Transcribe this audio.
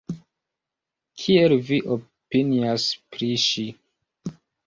Kiel vi opinias pri ŝi?